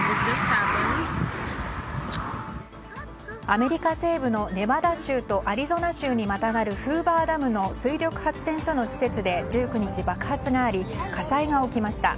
アメリカ西部のネバダ州とアリゾナ州にまたがるフーバー・ダムの水力発電所の施設で１９日、爆発があり火災が起きました。